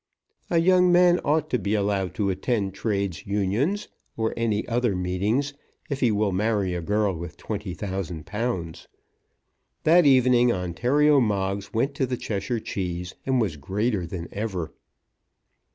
A young man ought to be allowed to attend trades' unions, or any other meetings, if he will marry a girl with twenty thousand pounds. That evening Ontario Moggs went to the Cheshire Cheese, and was greater than ever.